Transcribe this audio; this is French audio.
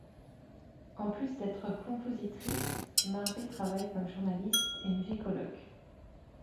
En plus d'être compositrice, Marbe travaille comme journaliste et musicologue.